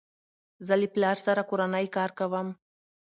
زه له پلار سره کورنی کار کوم.